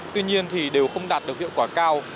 tuy nhiên thì đều không đạt được hiệu quả cao